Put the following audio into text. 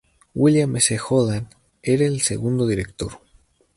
William S. Holland era el segundo director.